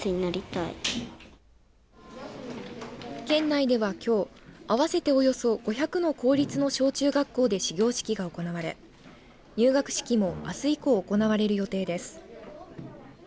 県内ではきょう合わせておよそ５００の公立の小中学校で始業式が行われ入学式もあす以降行われる予定です。